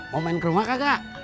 mau main ke rumah kagak